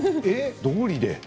どうりで。